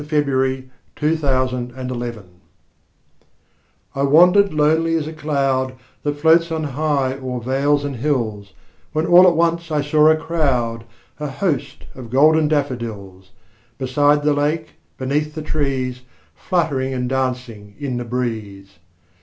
William Wordsworth I Wandered Lonely As a Cloud I WANDERED lonely as a cloud That floats on high o'er vales and hills, When all at once I saw a crowd, A host, of golden daffodils; Beside the lake, beneath the trees, Fluttering and dancing in the breeze.